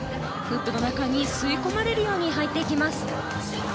フープの中に吸い込まれるように入っていきます。